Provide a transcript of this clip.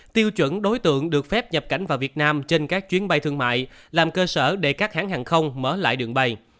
tiêu chuẩn đối tượng được phép nhập cảnh vào việt nam trên các chuyến bay thương mại làm cơ sở để các hãng hàng không mở lại đường bay